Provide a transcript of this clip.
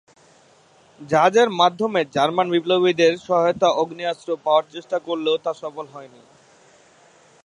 জাহাজের মাধ্যমে জার্মান বিপ্লবীদের সহায়তায় আগ্নেয়াস্ত্র পাওয়ার চেষ্টা করলেও তা সফল হয়নি।